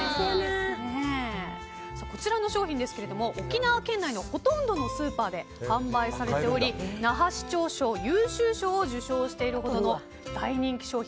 こちらの商品ですが沖縄県内のほとんどのスーパーで販売されており那覇市長賞優秀賞を受賞しているほどの大人気商品。